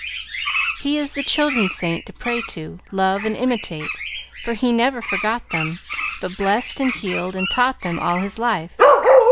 "He is the children's saint to pray to, love, and imitate, for he never forgot them, but blessed and healed and taught them all his life.